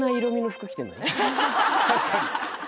確かに。